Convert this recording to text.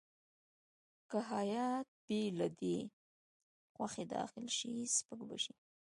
که هیات بې له ده خوښې داخل شي سپک به شي.